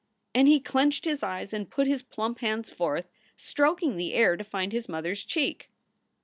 And he clenched his eyes and put his plump hands forth, stroking the air to find his mother s cheek.